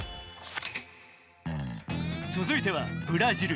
続いてはブラジル。